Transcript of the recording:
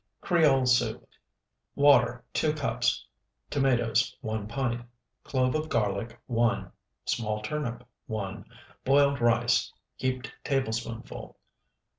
CREOLE SOUP Water, 2 cups. Tomatoes, 1 pint. Clove of garlic, 1. Small turnip, 1. Boiled rice, heaped tablespoonful.